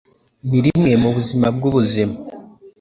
Ni rimwe mubuzima bwubuzima.